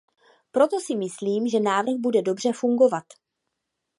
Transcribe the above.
Proto si myslím, že návrh bude dobře fungovat.